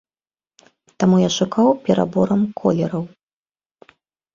Таму я шукаў пераборам колераў.